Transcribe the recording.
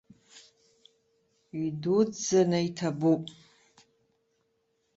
Идуӡӡаны иҭабуп!